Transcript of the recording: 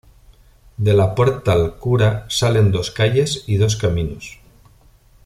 De la "puerta´l cura" salen dos calles y dos caminos.